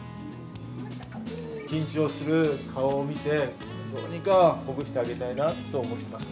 緊張する顔を見て、どうにかほぐしてあげたいなと思ってます。